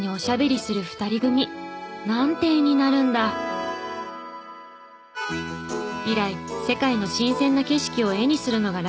以来世界の新鮮な景色を絵にするのがライフワークに。